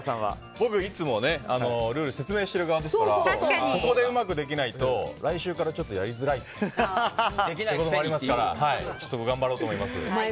僕はいつもルールを説明している側ですからここでうまくできないと来週からちょっとやりづらいってこともありますからちょっと頑張ろうと思います。